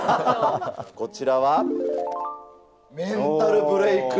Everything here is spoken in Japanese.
こちらは、メンタルブレイク。